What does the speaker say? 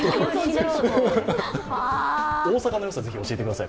大阪のよさをぜひ教えてください。